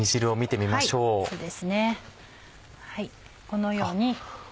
このように。